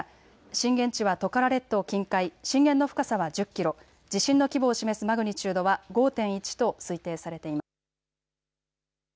震源地はトカラ列島近海、震源の深さは１０キロ、地震の規模を示すマグニチュードは５．１と推定されています。